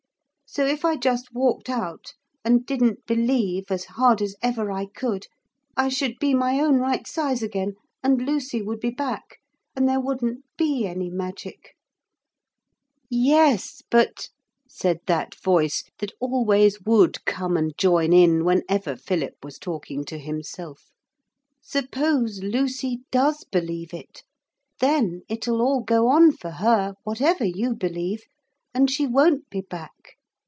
So if I just walked out and didn't believe as hard as ever I could, I should be my own right size again, and Lucy would be back, and there wouldn't be any magic.' [Illustration: He walked on and on and on.] 'Yes, but,' said that voice that always would come and join in whenever Philip was talking to himself, 'suppose Lucy does believe it? Then it'll all go on for her, whatever you believe, and she won't be back.